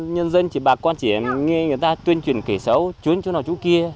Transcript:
nhân dân bà con chỉ nghe người ta tuyên truyền kẻ xấu chuyến chỗ nào chỗ kia